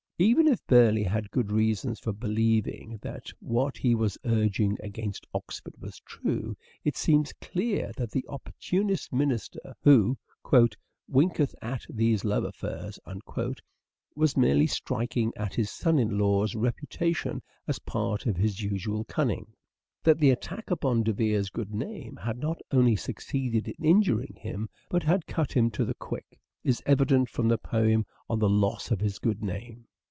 Even if Burleigh had good reasons for believing that what he was urging against Oxford was true, it seems clear that the opportunist minister who " winketh at these love affairs " was merely striking at his son in law's reputation as part of his usual cunning. That the EARLY MANHOOD OF EDWARD DE VERE 289 attack upon De Vere's good name had not only suc ceeded in injuring him, but had cut him to the quick, is evident from the poem on the loss of his good name.